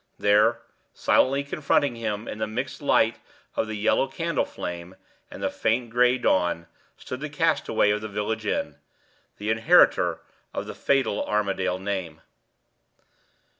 There, silently confronting him in the mixed light of the yellow candle flame and the faint gray dawn, stood the castaway of the village inn the inheritor of the fatal Armadale name.